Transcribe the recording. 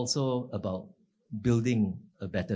ini juga tentang membangun